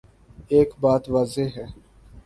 ایک بات واضح ہے۔